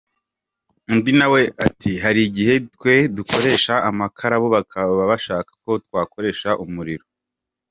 Undi nawe ati :”Hari igihe twe dukoresha amakara bo bakaba bashaka ko twakoresha amuriro.